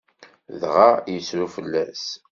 Dɣa yettru fell-as.